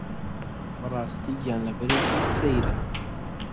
بەڕاستی گیانلەبەرێکی سەیرە